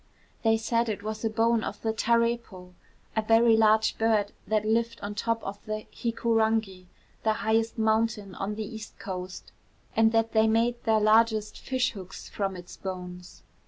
They said it was a bone of the tarepo, a very large bird, that lived on the top of Hikurangi, the highest mountain on the east coast, and that they made their largest fish hooks from its bones.